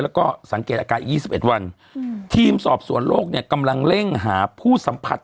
แล้วก็สังเกตอาการอีก๒๑วันทีมสอบสวนโลกเนี่ยกำลังเร่งหาผู้สัมผัส